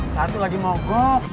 satu lagi mau gok